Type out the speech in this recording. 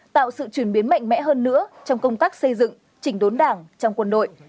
tạo sự truyền biến mạnh mẽ hơn nữa trong công tác xây dựng trình đốn đảng trong quân đội